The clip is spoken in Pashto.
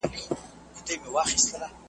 ونو هسي هم د وینو رنګ اخیستی .